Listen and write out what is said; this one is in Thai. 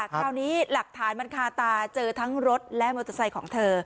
คราวนี้หลักฐานมันคาตาเจอทั้งรถและมอเตอร์ไซค์ของเธอ